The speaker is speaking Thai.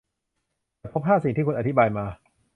ฉันพบห้าสิ่งที่คุณอธิบายมา